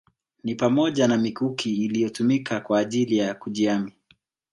Ni pamoja na mikuki iliyotumika kwa ajili ya kujihami